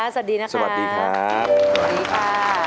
สวัสดีครับสวัสดีค่ะ